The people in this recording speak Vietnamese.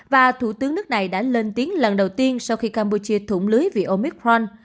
và thủ tướng nước này đã lên tiếng lần đầu tiên sau khi campuchia thủng lưới vì omicron